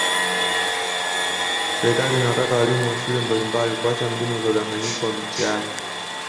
Serikali inawataka walimu wa shule mbalimbali kuacha mbinu za udanganyifu wa mitihani